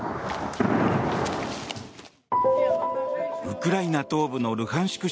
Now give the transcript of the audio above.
ウクライナ東部のルハンシク